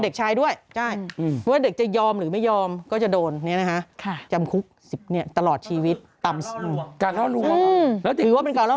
เด็กชายด้วยได้เด็กจะยอมหรือไม่ยอมก็จะโดนนะฮะค่ะจำคุกตลอดชีวิตตามสว่าง